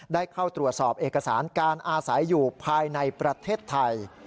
ได้เข้าตรวจสอบเอกสารการอาศัยอยู่ภายในประเทศไทย